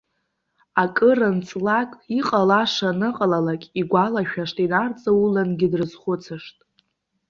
Акыр анҵлак, иҟалаша аныҟалалак, игәалашәашт, инарҵаулангьы дрызхәыцышт.